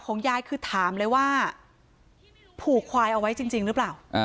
ยายคือถามเลยว่าผูกควายเอาไว้จริงหรือเปล่า